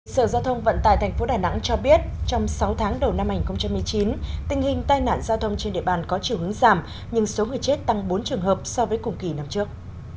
sở giao thông vận tài tp đà nẵng cho biết trong sáu tháng đầu năm hai nghìn một mươi chín tình hình tai nạn giao thông trên địa bàn có chiều hướng giảm nhưng số người chết tăng bốn trường hợp so với cùng kỳ năm trước